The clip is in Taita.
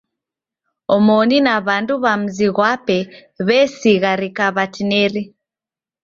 Omoni na w'andu w'a mzi ghwape w'esigharika w'atineri.